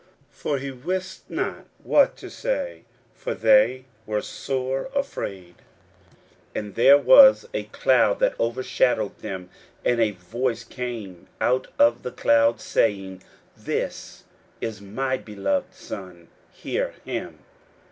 41:009:006 For he wist not what to say; for they were sore afraid. 41:009:007 And there was a cloud that overshadowed them: and a voice came out of the cloud, saying, This is my beloved Son: hear him.